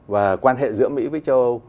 và quan hệ giữa mỹ với châu âu